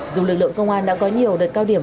dù lực lượng công an đã có nhiều đợt cao điểm